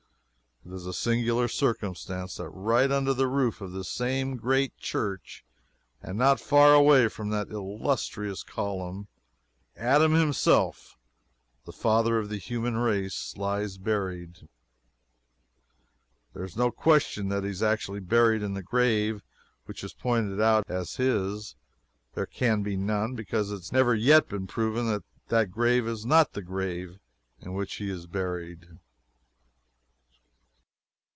It is a singular circumstance that right under the roof of this same great church, and not far away from that illustrious column, Adam himself, the father of the human race, lies buried. There is no question that he is actually buried in the grave which is pointed out as his there can be none because it has never yet been proven that that grave is not the grave in which he is buried.